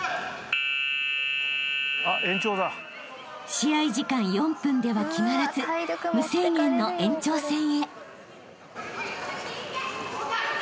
［試合時間４分では決まらず無制限の延長戦へ］